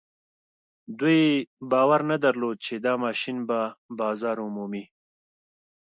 دوی باور نه درلود چې دا ماشين به بازار ومومي.